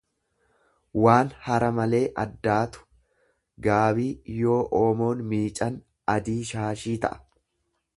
waan hara malee addaatu; Gaabii yoo oomoon miican adii shaashii ta'a.